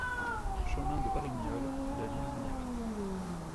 Chemin de Parignoles, La Livinière